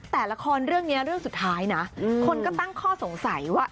แต่ละครเรื่องนี้เรื่องสุดท้ายนะคนก็ตั้งข้อสงสัยว่า